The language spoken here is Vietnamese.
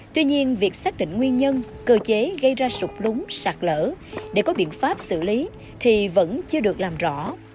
tuy nhiên việc xác định nguyên nhân cơ chế gây ra sụp lúng sạt lỡ để có biện pháp xử lý thì vẫn chưa được làm rõ